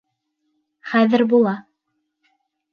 Хәҙер була.